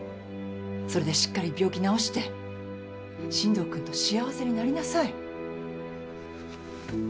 それでしっかり病気治して新藤君と幸せになりなさい。